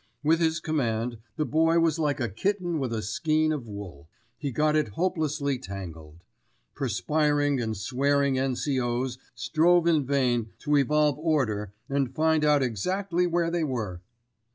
With his command, the Boy was like a kitten with a skein of wool. He got it hopelessly tangled. Perspiring and swearing N.C.O.'s strove in vain to evolve order and find out exactly where they were.